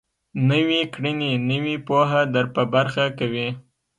نويې کړنې نوې پوهه در په برخه کوي.